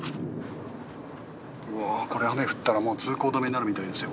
うわこれ雨降ったらもう通行止めになるみたいですよ